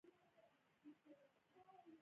په بدو کي د ښځو ورکول د ټولني لپاره خطرناک دود دی.